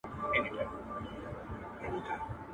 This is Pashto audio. شاه امان الله خان د ملي یووالي او خپلواکۍ لارښود و.